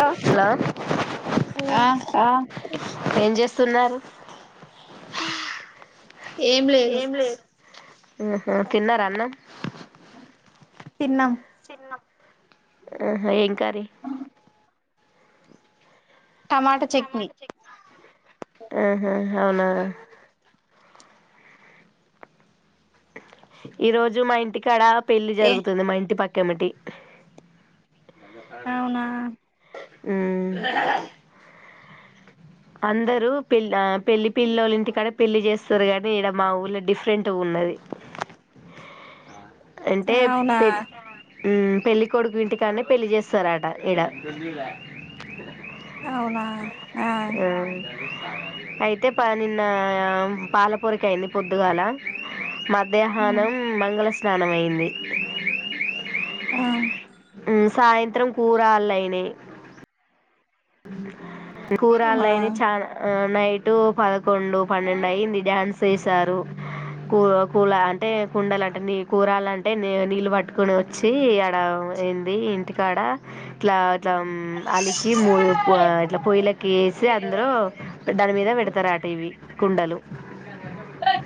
Hello ఆ ఏం చేస్త సున్నాల్ ఏం లేదు ఓహొ తిన్నరా అన్నం తిన్నామ్ ఒహో ఏం కరీ టమాట చట్నీ ఒహొ హొ అవునా ఈ రోజు మా ఇంటికాడ పెళ్లి ఏ జరుగుతుంది మా ఇంటి పక్ కమిటి అవునా ఉమ్ అందరూ పెళ్ ఆ పెళ్లి పిల్లోల్ ఇంటికాడ పెళ్లి చేస్తారు కానీ ఇడ మా ఊళ్ళ డిఫరెంట్ గా ఉన్నది అంటే అవునా పెళ్ ఉమ్ పెళ్లి కొడుకు ఇంటికాడనే పెళ్లి చేస్తారట ఇడ అవునా ఆ అయితే పా నిన్న పాలపొరక అయింది పొద్దుగాల మధ్యాహ్నం మంగళస్ స్నానమయ్యింది ఆ సాయంత్రం కూరాళ్ళైనయి [inaudible] ఆ కూరాళ్ళైనయి చాలా ఆ నైటు పదకొండు పన్నెండు అయింది డ్యాన్స్ చేసారు కూ కూల అంటే కుండలు అంటే నీ కూరాలు అంటే నీళ్ళు పట్టుకొని వచ్చి ఆడ ఏంది ఇంటికాడ ఇట్లా మో తం అలికి మూల్ పువ ఇట్లా పొయ్యిలెక్క చేసి అందరు దాని మీద పెడతారు అట ఇవి కుండలు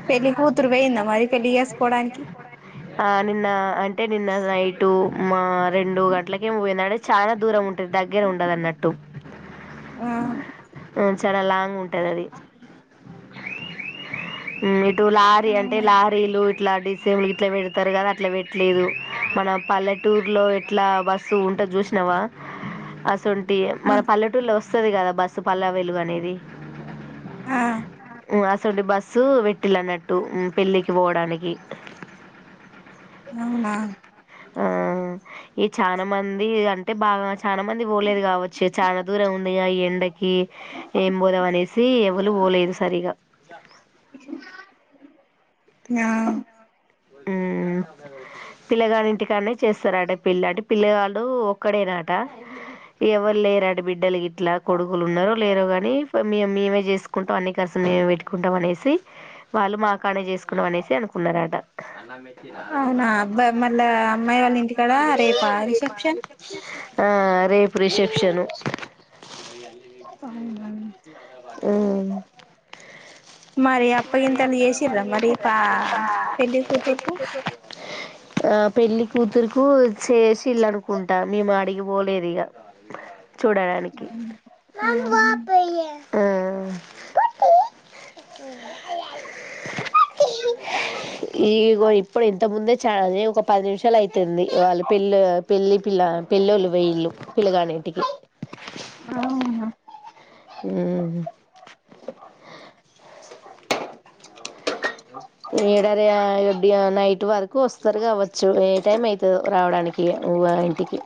పెళ్లి కూతురు పోయిందా మరి పెళ్లి చేసుకోవడానికి ఆ నిన్న అన్ టె నిన్న నైటు మా రెండు గంటలకేమో పోయినారు చాలా దూరం ఉంటది దగ్గర ఉండదన్నట్టు ఆ ఆ చాలా లాంగ్ ఉంటది అది ఉమ్ టు లారీ అంటే ఆ లారీలు ఇట్లాంటి సేమ్ ఇట్లా పెడతారు కదా అట్లా పెట్టలేదు మన పల్లెటూర్ లో ఎట్లా బస్సు ఉంటది చూసినావా అస్ సొంటి మన వస్తది కదా బస్సు పల్లా వెలుగు అనేది ఆ ఉ అసొంటి బస్సు వెట్టిల్లన్నట్టు ఉ పెళ్ళికి పోవడానికి అవునా ఆ ఈ చాలా మంది అంటే బాగా చాలా మంది పోలేదు కావచ్చు చాలా దూరం ఉందిగా ఈ ఎండ కి ఏం పోదాం అనేసి ఎవలు పోలేదు సరిగా న్యా ఉ పిల్లగాని ఇంటికాడనే చేస్తారట పెళ్లి అట పిల్లవాళ్ళు ఒక్కడేనాట ఇవ్వల్ లేరు అట బిడ్డలు ఇట్లా కొడుకులు ఉన్నారో లేరో కాని మే మేమే చేసుకుంటాం అన్ని ఖర్చు మేమే పెట్టుకుంటాం అనేసి వాళ్ళు మా కాడనే చేసుకుంటాం అనేసి అనుకున్నారట అన్నా మ నారా అవునా అబ్బాయి మళ్ళా బాబా అమ్మాయి వాళ్ళ ఇంటికాడ రేపా [unintelligible] ఆ రేపు రిసెప్షను అవునులే ఉ మరి అప్పగింతలు చేసిర్రా మరి పా పెళ్ళి కూతుర్కు ఆ పెళ్ళికూతురుకు చేసి ఇల్ళ అనుకుంటా మే మడిగిం పోలేదిగా చూడడానికి ఆ ఇ [inaudible] [inaudible] ఇది ఇదిగో ఇప్పుడే ఇంతకు ముందే చ ఒక పది నిమిషాలు అయితుంది వాళ్ళు పెళ్ళి పెళ్ళి పిల్ల పెళ్ళోళ్ళు పొయిళు పిల్లగాన్నింటికి అవునా హ ఏడ ర రేపు డే నైట్ వరకు వస్త స్తరు గావచ్చు ఏ టైం అయి రావడానికి ఊవా ఇంటికి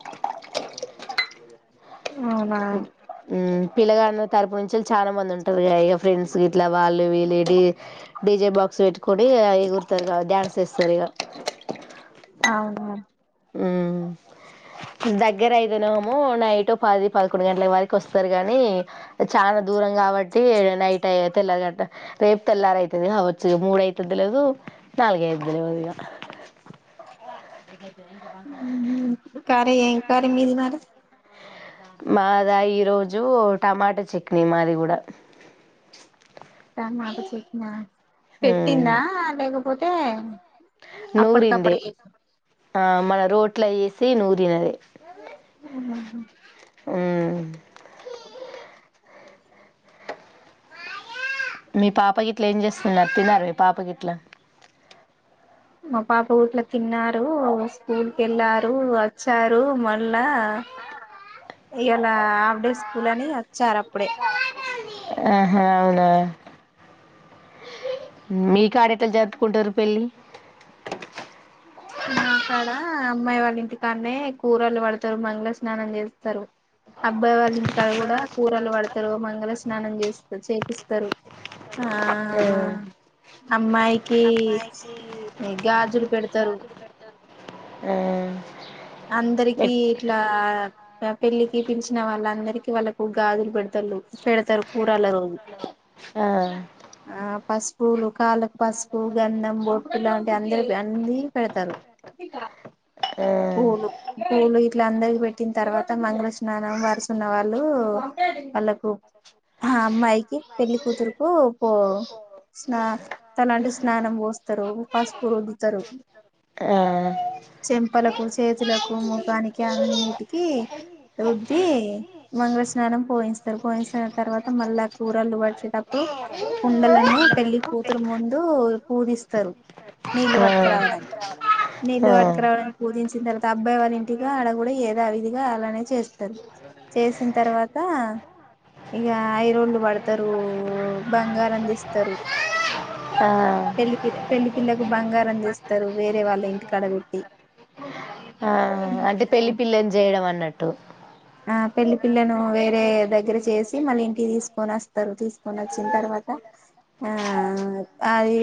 అవునా ఉ పిల్లగాడన్న తరపు నుంచి చాలా మంది ఉంటారుగ ఇక ఫ్రెండ్స్ ఇట్లా వాళ్ళు వీళ్ళు డీ డీజే బాక్స్ పెట్ కుడి ఎగుర్తరు ఇగ డ్యాన్స్ వేస్తరు ఇగ అవునా ఆ దగ్గర ఐతేనేమో నైట్ పది పదకొండు గంటల వరకు వస్తారు. కాని చాలా దూరం కాబట్టి నైట్ అయ్యే తెల్లారు గట్ట రేపు తెల్లారయితుది కావచ్చు. మూడుయితది తెలియదు, నాలుగయితది తెలవదు ఇగ. ఉ హ్ కర్రి ఏం కర్రీ మీది మరి మాద ఈరోజు టమాటా చట్నీ మాది కూడా టమాట చెట్నా పెట్టిండా లేకపోతే నూరిందే అప్పటికప్పుడు చేసా ఆ మన రోట్లో ఏసి సి నూరినదే ఆ ఊ మీ పాప గిట్లా ఏం చేస్తుంది తిందా మీ పాప గిట్లా మా పాప ఊట్ల తిన్నారు స్కూల్ కెళ్ళారు వచ్చారు మళ్ళా ఇయాల హాఫ్ డే స్కూల్ అని వచ్చారు అప్పుడే ఆహా అవునా మీ కాడెట్ల జరుపుకుంటారు పెళ్ళి మా కాడ అమ్మాయి వాళ్ళ ఇంటికానే కూరలు పడతారు మంగళ స్నానం చేస్తారు అబ్బాయి వాళ్ళ ఇంటికాడ కూడా కూరలు పడతారు మంగళ స్నానం చేస్ చేపిస్తారు ఆ అమ్మాయికి గాజులు పెడతారు ఆ అందరికి ఇట్లా పెళ్ళికి పిలిచిన వాళ్ళందరికి వాళ్ళకు గాజులు పెడతల్లు పెడతారు కూరల రోజు నీళ్ళు పట్టుకురావాలి ఆ పస్ పూలు కాళ్ళకు పసుపు గంధం బొట్టు లాంటి అందరు అన్నీ పెడతారు నీళ్ళు పూలు పట్టుకురావాలి పూలు ఓ ఇట్లా అందరికి పెట్టిన తర్వాత మంగళ స్నానం వరుసున్నవా ళ్ళు వాళ్ళకు ఆ అమ్మాయికి పెళ్లి కూతురుకు పో స్నా తలంటి స్నానం పోస్తారు పసుపు రుద్దుతారు అబ్బాయి చెంపల ను చేతులకు ముఖానికి అన్నిటికి రుద్ది మంగళ స్నానం పోయించతరు పోయించిన తర్వాత మళ్ళా కూరలు వడిచేటప్పుడు కుండలను పెళ్లి కూతురు ముందు పూజిస్తరు నీళ్లు పట్టుకురావడానికి నీళ్లు వాళ్ళ పట్టుకురావడాని పూజించిన తర్వాత అబ్బాయి వాళ్ళింటిగా ఆడ కూడా ఏదావిధిగా అలానే చేస్తారు చేసిన తర్వాత ఇగ ఐరోళ్లు పడతారు బంగారందిస్తారు ఆ పెళ్లి పిల్లకు బంగారం చేస్తారు వేరే వాళ్ళ ఇంటి కాడబెట్టి ఆ ఉ అంటే పెళ్లి పిల్లని చేయడం అన్నట్ట్ ట్టు ఆ పెళ్లి పిల్లను వేరే దగ్గర చేసి మళ్ళీ ఇంటికి తీసుకొనోస్తరు తీసుకోనొచ్చిన తర్వాత ఆ అది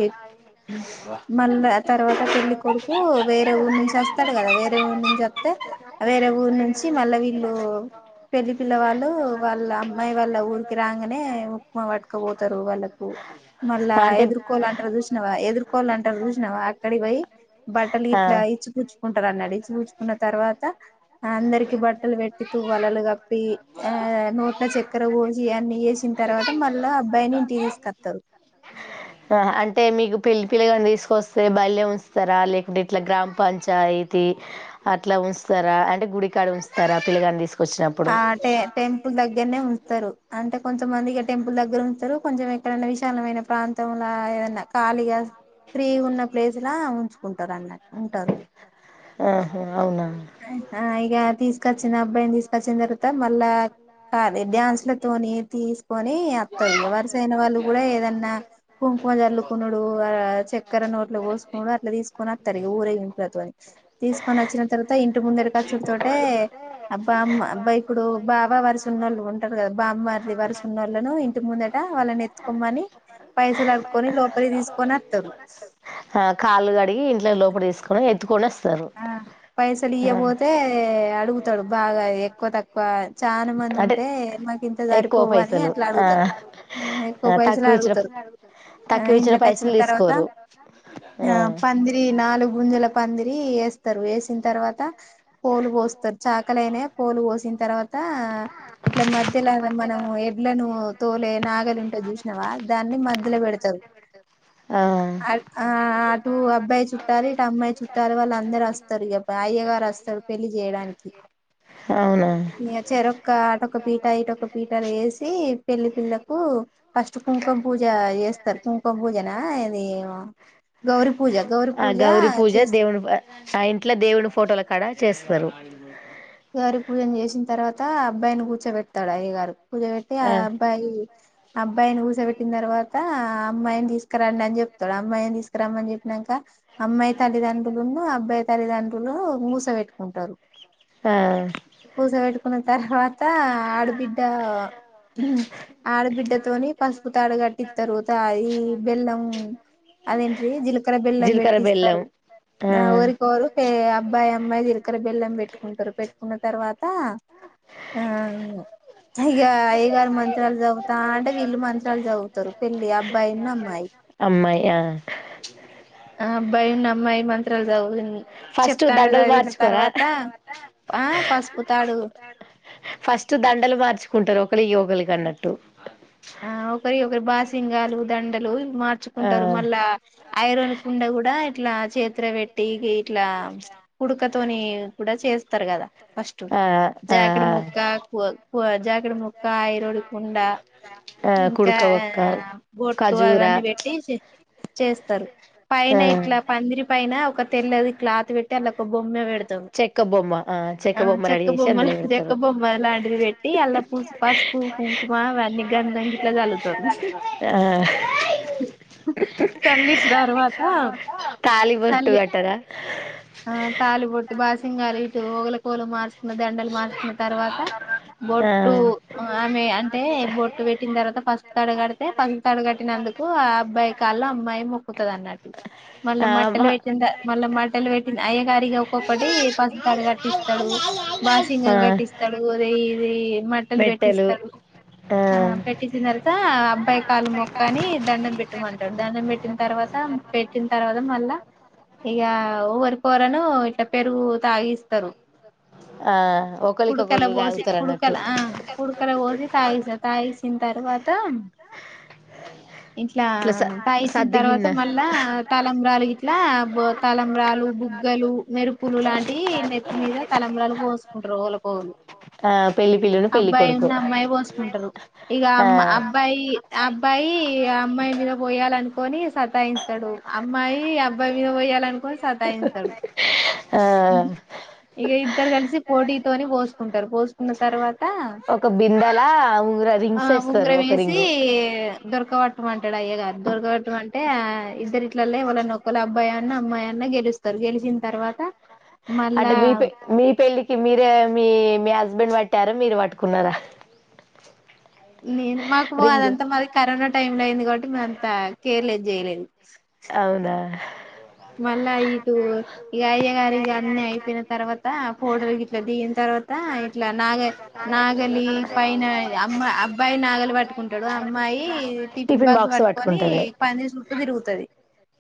మళ్ళ తర్వాత పెళ్లి కొడుకు వేరే ఊరు నుంచి వస్తాడు కదా వేరే ఊరు నుంచి వత్తే వేరే ఊరు నుంచి మళ్ళ వి ళ్ళు పెళ్లి పిల్ల వాళ్ళు వాళ్ళ అమ్మాయి వాళ్ళ ఊరికి రాంగానే ఉక్మా పట్టుకపోతారు వాళ్ళకు మళ్ళ అంటే ఎదుర్కోలంటారు చూస్ నావా ఎదుర్కోలంటారు చూసినవా అక్కడికి పోయి బట్టలు ఆ ఇట్లా ఇచ్చిపుచ్ కుంటారన్నడి ఇచ్చి పుచ్చుకున్న తర్వాత అందరికి బట్ ట్టలు పెట్టితూ వలలు కప్పి ఆ నోట్ల చక్కెర పోసి అన్ని చేసిన తర్వాత మళ్ళా అబ్బాయిని ఇంటికి తీస్కత్తారు అంటే మీకు పెళ్ళి పిలగాని తీసుకొస్తే బయలే ఉంచుతారా లేకుంటే ఇట్లా గ్రామ పంచాయతీ అట్లా ఉంచుతారా అంటే గుడికాడ ఉంచుతారా పిల్లగాని తీసు ఆ టె టెంపుల్ దగ్ గ్గరనే ఉంతారు అంటే కొంచెమంది ఇగ టెంపుల్ దగ్గర ఉంచరు కొంచెం ఎక్కడన్నా విశాలమైన ప్రాంతం లాగేదన్నా ఖాళీగా ఫ్రీ ఉన్న ప్లేస్లా ఉంచుకుంటారు అన్నట్ ఉంటరు ఆహా అవునా ఆ ఇగ తీసుకొచ్చిన అబ్బాయిని తీస్ వచ్చిన తర్వాత మళ్ళా కాది డ్యాన్స్లతోని తీసుకొని అత్తారు ఇగ వరసైన వాళ్ళు కూడా ఏదన్నా కుంకుమ జల్లుకునుడు ఆ చక్కరనోట్ల పోసుకొనుడు అట్లా తీసుకొనత్తరు ఇగ ఊరేగింపులతోని తీసుకోనచ్చిన తర్వాత ఇంటిముందకచ్చుడు తోటే అబ్ బామ్మ అబ్బా ఇప్పుడు బావ వరుసున్నోళ్ళు ఉంటారు కదా బామ్మరిది వరుసున్నోళ్ళను ఇంటి ముందట వాళ్ళని ఎత్తుకోమని పైసలు అడుక్కొని లోపలికి తీసుకోనత్తరు ఆ కాళ్ళు కడిగి ఇంట్లో లోపటికి తీసుకొని ఎత్తుకొని వస్ ఆ పైసలుయపోతే అడుగుతాడు బాగా ఎక్కువ తక్కువ చానా మంది అంటే ఉంటే మాకు ఇంత ఎక్కువ సరిపోవు అని పైసలు అట్లా ఆ అడుగుతారు, ఎక్కువ ఆ పైసలు తక్కువ ఇచ్చిన అడుగుతారు, ఆ తక్కువ ఇచ్చిన ఇంట్లోకి పైసలు వచ్చిన తర్వాత తీసుకోరు ఆ పందిరి నాలుగు ముంజుల పంది ఇ వేస్తారు వేసిన తర్వాత పోలు పోస్తారు, చాకలైనా పోలు పోసిన తర్వాత ఇట్లా మధ్యలో మనం ఎడ్లను తోలే నాగలు ఉంటే చూసినవా, దాన్ని మధ్యలో పెడతారు ఆ అటు అబ్బాయి చుట్టాలు ఇటు అమ్మాయి చుట్ చుట్టాలు వాళ్ళు అందరు వస్తారు ఇగా, అయ్యగారు వస్తారు పెళ్లి చేయడానికి, అవునా చెరొక్క అటొక్క పీట ఇటక పీటాలు వేసి పెళ్లి పిల్లకు ఫస్ట్ కుంకుమ పూజ చేస్తారు కుంకుమ పూజనా ఇది గౌరి ఆ గౌరి పూజ దేవుని చు ఆ ఇంట్లో దేవుని ఫోటోలు కాడా చేస్తారు అయ్యగారి పూజను చేసిన తర్వాత, అబ్బాయిని కూర్చోబెడతాడు అయ్యగారు, పూజ పెట్టి ఆ అబ్బాయి అబ్బాయిని కూూసబెట్టిన తర్వాత అమ్మాయిని తీసుకురండి అని చెప్తాడు, అమ్మాయిని తీసుకురామ్మని చెప్పినాక అమ్మాయి తల్లిదండ్రులున్న అబ్బాయి తల్లిదండ్రులు మూసబెట్టుకుంటారు. ఆ కూూసబెట్టుకున్న తర్వాత ఆడబిడ్డ ఆడబిడ్డతోని పసుపు తాడు కట్టిస్తారు త ఈ బెల్లం అదేంటి జి అక్కడ బెల్లం జీలకర్ర బెల్లం పెట్టిస్తారు నా ఆ ఊరికిరు అబ్బాయి అమాయిిలక బల్లం పెట్టుకుంటారు పె ఉన్న తర్వాత ఆ ఇగ అయ్యగారు మంత్రాలు చదువుతా అంటే వీళ్ళు మంత్రాలు చదువుతారు, పెళ్లి అబ్బాయిని అమ్మాయి అమ్మాయియా ఆ అబ్బయి అమ్మాయి మంత్రాలచదావుదం ఫస్ట్ దండలు మార్చుకోర ఆ పసుపుతాడు ఫస్ట్ దండలు మార్చుకుంటారు ఒకళ య మలి కన్నట్టు ఆ ఒకరి ఒకరి బాసింగాలు దండలు ఆ మార్చుకుంటారు మళ్ళా ఐరోడి కుండ కూడా ఇట్లా చేతి పెట్టి ఇట్లా కుడుకతోని కూడా చేస్తారు కదా ఫస్ట్ ఆ ఆ జాకడి ముక్క జాకడి ముక్క ఐరోడి కుండ ఆ ఇంకా కుడుక వక్క బొట్టు ఖజూరా అవన్నీ పెట్టి చేస్త తారు ఆ పైనట్లా పందిరి పైన ఒక తెల్లది క్లాత్ పెట్టి అందు ఒక బొమ్మె పెడు చెక్క బొమ్మ ఆ బొమ్మ రెడీ చెక్క చేసి బొమ్మ అందులో చెక్క పెడతారు బొమ్మ ఎలా అడిది పెట్టి అలా పూ పసుకు కకు మా వెళ్ళ ఆ సల్లిస్ తర్వాత కాలి పట్టు సల్లి కట్టద బాసింగారు ఇటు గల కోలు మార్చుకున్న దండలు మార్చుకున్న తర్వాత ఆ బొట్టు ఆమె అంటే బొట్ తర్వాత పస్పు తడుగడితే పస్ తడుగట్టినందుకు ఆ అబ్బాయి కాల్లో అమ్మాయి మొక్కుతుంది అన్నట్టు మల్ల ఆ మట్టలు మా పెట్టింద మల్ల మ ట్టలు పెట్టి అయ్యగారికి ఒక్కొక్కటి పసుపు తాడు కట్టిస్తడు ఆ [unintelligible] కట్టిస్తడు [unintelligible] రీ మట్టలు మెట్టెలు పెట్టిస్తరు ఆ పెటిించిందర క అబ్బాయి కాళ్లు మొక్కు అని దండం పెట్టు మంటాడు. దండం పెట్టిన తర్వాత పెట్టిన తర్వాత మళ్ళా ఇగా ఎ వరి పోరను ఇట్లా పెరుగు తాగిస్తారు. ఆ ఒకలీ కుడుకల ఒకలు పోసి తాగుతారు అన్నట్టు కుడుకల కాయిసిన తరువాత ఇంట్లా ఇట్లా స తాగిచ్చిన తర్వాత సద్దిగిన్న మళ్ళా తలం బ్రాలు గిట్లా తలంబ్రాలు బుగ్గలు మెరుపులు లాంటివి నెత్తి మీద తలంబ్రాలు పోసుకుంటారు. ఓలకు ఓలు ఆ పెళ్లి పిల్లను పెల్లి కొడుకు ఇగ ఆ అమ్మ అబ్బాయి అబ్బాయి అమ్మాయి మీద పోయ్యాలనుకోని సతాయిస్తాడు అమ్మాయి అబ్బాయి మీద పోయాలనుకోని సతాయిస్తాడు ఆ ఇగ ఇద్దరు కలిసి పోటీతోని పోసుకుంటారు. పోసుకున్న తర్వాత ఒక బిందెలా ఉంగరా ఆ రింగ్స్ వేస్తారు ఉంగరం ఒక వేసి రింగు దొరకవాట్ ట్టు అంటాడు. అయ్య గారు దొరకవట్టు మంటే ఇద్దరు ఇట్లల్లె ఇవాళ్ళన్న వోక్కల్లే అబ్బాయి అన్న అమ్మాయి అన్న గెలుస్తారు. గెలిచిన తర్వాత అంటే మళ్ళా మీ మీ పెళ్ళికి మీరే మీ మీ హాస్ హస్బెండ్ వట్టారా మీరు వట్టుకున్నారా నేను మాకు రింగు అదంతా మరి కరోనా టైం అయింది కాబట్టి మ అంత కేర్లేదు చేయలేను అవునా మళ్ళా ఇటు ఇక అయ్య గారు ఇ అన్నిీ అయిపోయిన తర్వాత ఫోటోలుకి ఇట్లా దిగిన తర్వాత ఇట్లా నాగ నాగలి పైనా అమ్మ అబ్ అబ్బాయి నాగలు పట్టుకుంటాడు. అమ్మాయి యి టిఫిన్ బాక్స్ పట్టుకొని పందిరి చుట్టు తిరుగుతది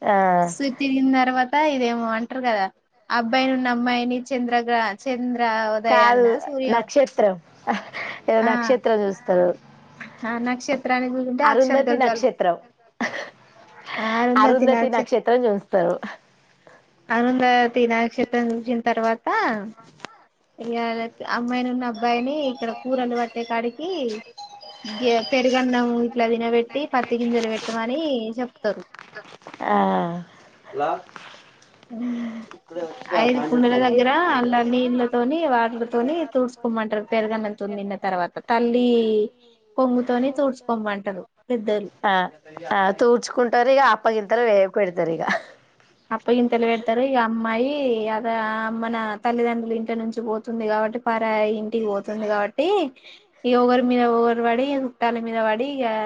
ఆ తిరిగిన తర్వాత ఇదేమో అంటారు. గాదా అబ్బానున్నీ అమ్మాయిని చంద్రగ్ర చంద్ర కాదు నక్షత్రం ఏదో నక్షత్రం చూస్తారు. ఆ నక్షత్రాలు వుంటే ఆ అరుంధతి అక్షంతలు చళ్ళు నక్షత్రం అరుంధతి నక్ష నక్షత్రం చూస్తారు అరూంధతి నక్షత్రం చూసిన తర్వాత ఇగా అమ్మాయిని ఉన్నీ అబ్బాయిని ఇక్కడ కూరలు పట్టే కాడికి పెరుగన్నం ఇట్లా తినబెట్టి పత్తి గింజలు పెట్టుమని చెప్తారు. ఆ ఐదు కుండల దగ్గర అల్ల నీళ్లతోని వాటిలతోని తుడ్చుకోమంటారు. పెరుగన్నం తోని తీన్న తర్వాత తల్లి కొంగుతోని తుడ్చుకోమంటారు. పెద్దలు ఆ ఆ తూడ్చుకుంటరూ ఇగ అప్పగింతలు రే పెడుతారు ఇగ అప్పగింతలు పెడతారు ఇక అమ్మాయి అద మన తల్లిదండ్రులు ఇంట నుంచి పోతుంది కాబట్టి పారయి ఇంటికి పోతుంది కాబట్టి ఇక ఒకరి మీద ఒకరు పడి చుట్టాల మీద పడి ఇక